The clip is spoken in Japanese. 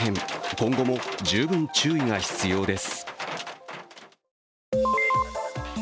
今後も十分注意が必要です。